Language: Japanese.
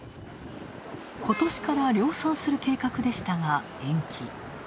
ことしから量産する計画でしたが、延期。